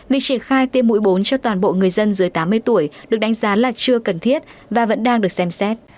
việc triển khai tiêm mũi bốn cho toàn bộ người dân dưới tám mươi tuổi được đánh giá là chưa cần thiết và vẫn đang được xem xét